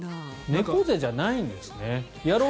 猫背じゃないんですね。